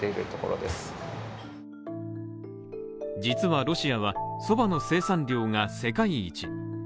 実は、ロシアはそばの生産量が世界一。